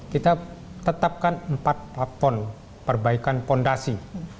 kita tetapkan empat plafon perbaikan fondasi